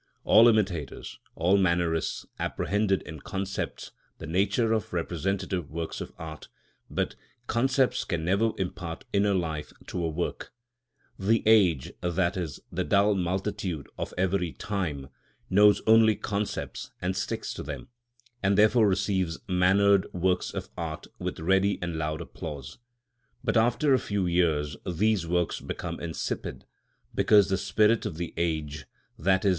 All imitators, all mannerists, apprehend in concepts the nature of representative works of art; but concepts can never impart inner life to a work. The age, i.e., the dull multitude of every time, knows only concepts, and sticks to them, and therefore receives mannered works of art with ready and loud applause: but after a few years these works become insipid, because the spirit of the age, _i.e.